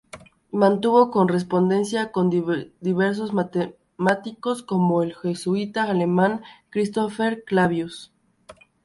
Mantuvo correspondencia con diversos matemáticos, como el jesuita alemán Christopher Clavius.